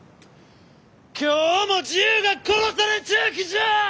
今日も自由が殺されちゅうきじゃ！